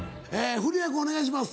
古屋君お願いします。